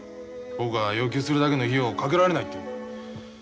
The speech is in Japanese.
僕が要求するだけの費用をかけられないって言うんだ。